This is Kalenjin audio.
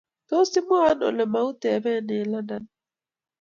Tos imwowo ole muateben eng London?